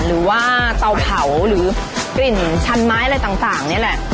เตาเผาหรือกลิ่นชันไม้อะไรต่างนี่แหละ